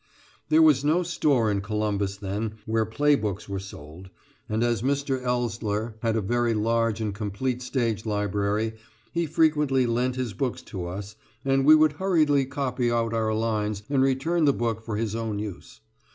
There was no store in Columbus then where play books were sold, and as Mr. Ellsler had a very large and complete stage library, he frequently lent his books to us, and we would hurriedly copy out our lines and return the book for his own use.